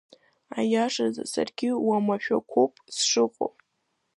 Аиашаз, саргьы уамашәақәоуп сшыҟоу…